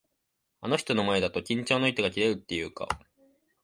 あの人の前だと、緊張の糸が切れるっていうか。